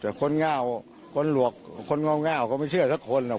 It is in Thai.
แต่คนง่าคนหลวกคนเง่าก็ไม่เชื่อสักคนหรอก